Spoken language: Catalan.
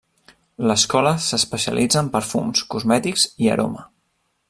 L'escola s'especialitza en perfums, cosmètics i aroma.